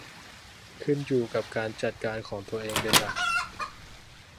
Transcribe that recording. ขึ้นอยู่กับการจัดการของตัวเองเป็นหลัก